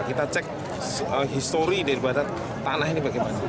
kita cek histori daripada tanah ini bagaimana